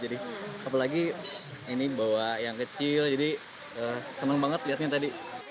apalagi ini bawa yang kecil jadi senang banget lihatnya tadi